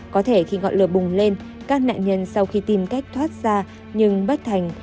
có thể khi ngọn lửa bùng lên các nạn nhân sau khi tìm cách thoát ra nhưng bất thành